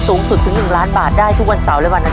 สูงสุดถึง๑ล้านบาทได้ทุกวันเสาร์และวันอาท